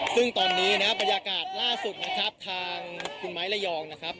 ซึ่งตอนนี้นะครับบรรยากาศล่าสุดนะครับทางคุณไม้ระยองนะครับ